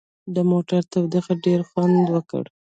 د موټر تودوخې ډېر خوند وکړ.